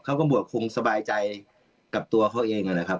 เขาก็บวชคงสบายใจกับตัวเขาเองนะครับ